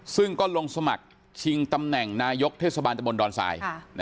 ซึ่งก็ลงสมัครชิงตำแหน่งนายกเทศบาลตะบนดอนทราย